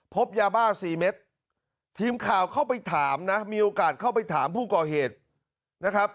พบยาบ้า๔เม็ดทีมข่าวเข้าไปถามนะมีโอกาสเข้าไปถามผู้ก่อเหตุนะครับ